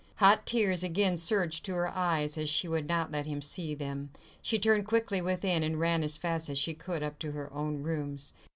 Hot tears again surged to her eyes, and as she would not let him see them, she turned quickly within, and ran as fast as she could up to her own rooms.